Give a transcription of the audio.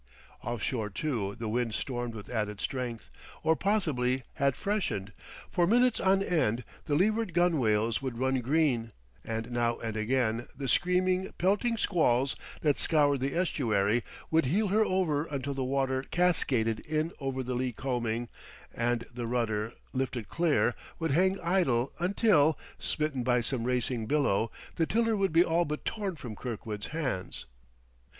Offshore, too, the wind stormed with added strength, or, possibly, had freshened. For minutes on end the leeward gunwales would run green, and now and again the screaming, pelting squalls that scoured the estuary would heel her over until the water cascaded in over the lee combing, and the rudder, lifted clear, would hang idle until, smitten by some racing billow, the tiller would be all but torn from Kirkwood's hands.